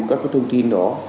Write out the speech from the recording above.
các thông tin đó